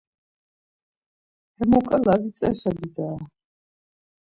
Hemuǩala Vitzeşa bidare.